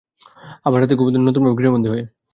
আবার রাতে ঘুমোতেন নতুনভাবে গৃহবন্দী হয়ে।